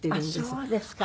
あっそうですか。